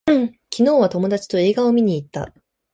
昨日は友達と映画を見に行った